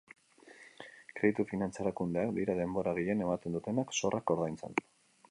Kreditu-finantza erakundeak dira denbora gehien ematen dutenak zorrak ordaintzen.